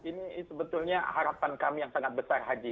ini sebetulnya harapan kami yang sangat besar haji